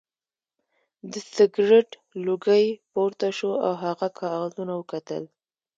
د سګرټ لوګی پورته شو او هغه کاغذونه وکتل